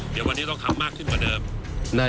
เดี๋ยววันนี้ต้องทำมากขึ้นกว่าเดิม